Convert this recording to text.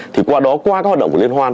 thì qua đó qua các hoạt động của liên hoan